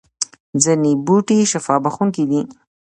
ځینې بوټي شفا بخښونکي دي